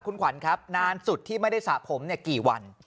คุณขวัญครับนานสุดที่ไม่ได้สระผมกี่วัน